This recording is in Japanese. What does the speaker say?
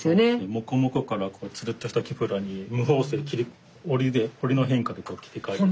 モコモコからツルッとしたキュプラに無縫製で織りで織りの変化で切り替えて。